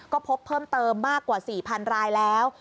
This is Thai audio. ก็พบเพิ่มเติมมากกว่า๔๐๐๐รายแล้ว